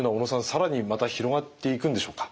更にまた広がっていくんでしょうか？